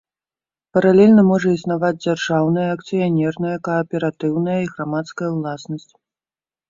Паралельна можа існаваць дзяржаўная, акцыянерная, кааператыўная і грамадская ўласнасць.